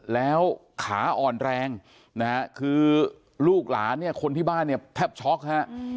แล้วขาอ่อนแรงนะฮะคือลูกหลานเนี่ยคนที่บ้านเนี่ยแทบช็อกฮะ